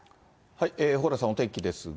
蓬莱さん、お天気ですが。